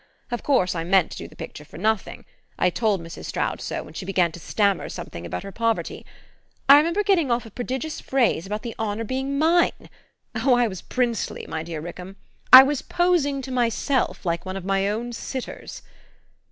Of course I meant to do the picture for nothing I told Mrs. Stroud so when she began to stammer something about her poverty. I remember getting off a prodigious phrase about the honour being MINE oh, I was princely, my dear Rickham! I was posing to myself like one of my own sitters.